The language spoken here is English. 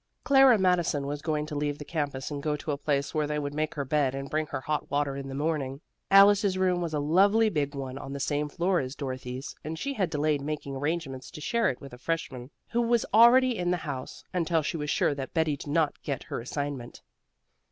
Clara Madison was going to leave the campus and go to a place where they would make her bed and bring her hot water in the morning. Alice's room was a lovely big one on the same floor as Dorothy's, and she had delayed making arrangements to share it with a freshman who was already in the house, until she was sure that Betty did not get her assignment.